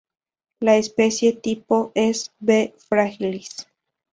La especie tipo es "B. fragilis".